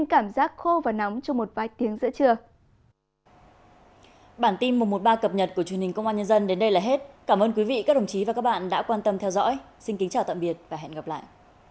các bạn đến đây là hết cảm ơn quý vị các đồng chí và các bạn đã quan tâm theo dõi xin kính chào tạm biệt và hẹn gặp lại